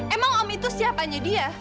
emang om itu siapanya dia